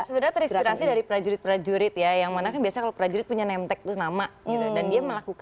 sebenarnya terinspirasi dari prajurit prajurit ya yang mana kan biasa prajurit punya nemtek tuh nama